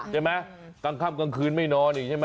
ใช่มั้ยกลางคาบกลางคืนไม่นอนอีกใช่มั้ย